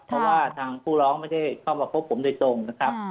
เพราะว่าทางผู้ร้องไม่ได้เข้ามาพบผมโดยตรงนะครับ